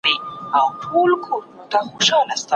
یوه نوې روباټیکه ټېکنالوژي جوړه شوې ده.